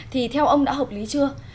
thì theo ông đã hợp lý chưa